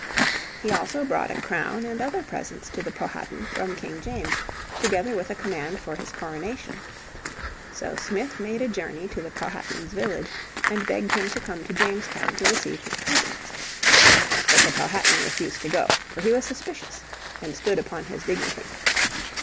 He also brought a crown and other presents to the Powhatan from King James, together with a command for his coronation. So Smith made a journey to the Powhatan's village and begged him to come to Jamestown to receive his presents. But the Powhatan refused to go for he was suspicious and stood upon his dignity.